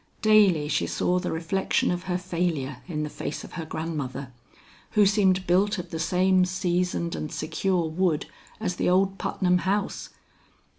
Daily she saw the reflection of her failure in the face of her grandmother, who seemed built of the same seasoned and secure wood as the old Putnam house.